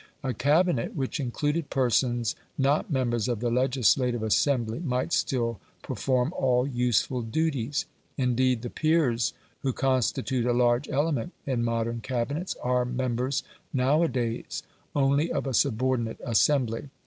A Cabinet which included persons not members of the legislative assembly might still perform all useful duties. Indeed the peers, who constitute a large element in modern Cabinets, are members, now a days, only of a subordinate assembly.